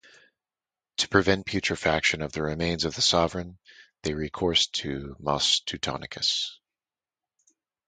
To prevent putrefaction of the remains of the sovereign, they recoursed to Mos Teutonicus.